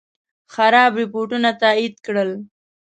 خراب رپوټونه تایید کړل.